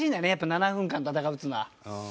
７分間戦うっつうのは。